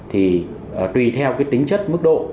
thì tùy theo tính chất mức độ